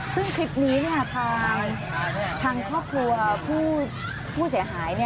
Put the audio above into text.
ซึ่งคลิปนี้ทางครอบครัวผู้เสียหาย